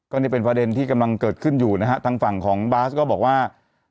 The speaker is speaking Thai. ก็นี่เป็นประเด็นที่กำลังเกิดขึ้นอยู่นะฮะทางฝั่งของบาสก็บอกว่า